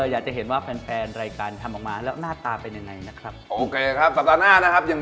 อยากจะเห็นว่าแฟนรายการทำออกมาแล้วน่าตาเป็นไงนะครับ